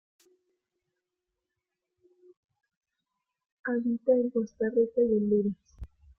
Habita en Costa Rica y Honduras.